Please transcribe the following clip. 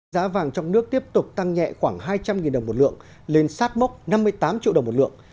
giá vàng trong nước tiếp tục tăng nhẹ khoảng hai trăm linh đồng một lượng lên sát mốc năm mươi tám triệu đồng một lượng